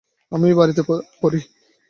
আমি বাড়িতেই পড়ি।